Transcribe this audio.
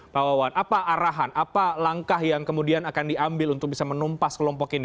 pak wawan apa arahan apa langkah yang kemudian akan diambil untuk bisa menumpas kelompok ini